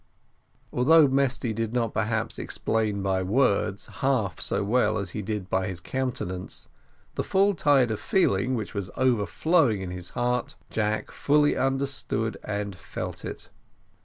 Although Mesty did not perhaps explain by words half so well as he did by his countenance, the full tide of feeling which was overflowing in his heart, Jack fully understood and felt it.